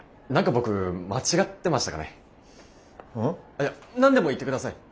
いや何でも言ってください。